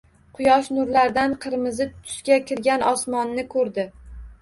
Quyosh nurlarida qirmizi tusga kirgan osmonni ko‘rdi.